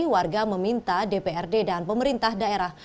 warga meminta dprd dan pemerintah daerah